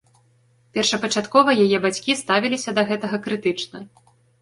Першапачаткова яе бацькі ставіліся да гэтага крытычна.